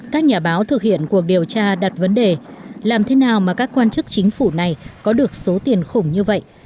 các nhà báo thực hiện cuộc điều tra đặt vấn đề làm thế nào mà các quan chức chính phủ này có được số tiền khủng như vậy